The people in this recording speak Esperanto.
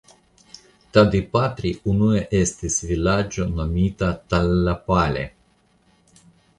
Tadipatri unue estis vilaĝo nomita Tallapalle.